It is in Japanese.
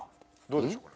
どうでしょう